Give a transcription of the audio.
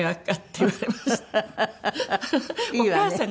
いいわね。